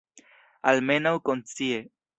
Almenaŭ konscie.